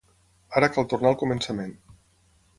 Ara cal tornar al començament.